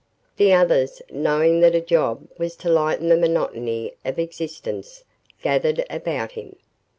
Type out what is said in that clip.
The others, knowing that a job was to lighten the monotony of existence, gathered about him.